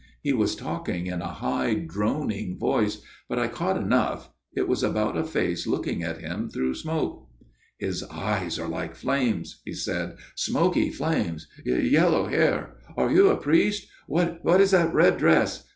He was talking in a high droning voice, but I caught enough. It was about a face looking at him through smoke. * His eyes are like flames,' he said, * smoky flames yellow hair Are you a priest ?... What is that red dress